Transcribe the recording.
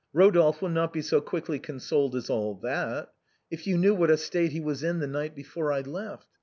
" Rodolphe will not be so quickly consoled as all that. If you knew what a state he was in the night before I left.